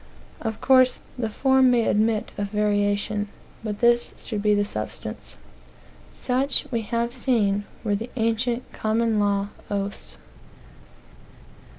Of course, the form may admit of variation, but this should be the substance. Such, we have seen, were the ancient common law oaths.